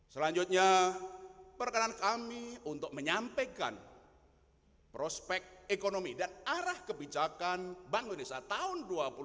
selanjutnya perkenan kami untuk menyampaikan prospek ekonomi dan arah kebijakan bank indonesia tahun dua ribu dua puluh tiga